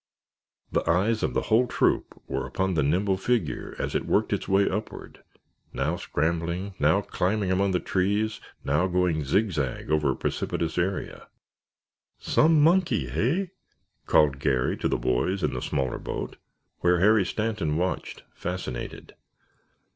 The eyes of the whole troop were upon the nimble figure as it worked its way upward, now scrambling, now climbing among trees, now going zigzag over a precipitous area. "Some monkey, hey?" called Garry, to the boys in the smaller boat, where Harry Stanton watched, fascinated.